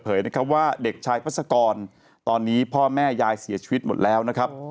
นะครับว่าเด็กชายพัศกรตอนนี้พ่อแม่ยายเสียชีวิตหมดแล้วนะครับ